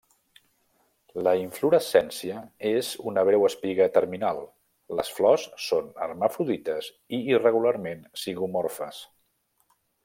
La inflorescència és una breu espiga terminal, les flors són hermafrodites i irregularment zigomorfes.